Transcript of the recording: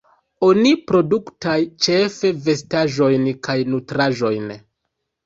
Oni produktaj ĉefe vestaĵojn kaj nutraĵojn.